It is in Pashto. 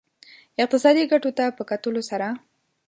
اقتصادي ګټو ته په کتلو سره.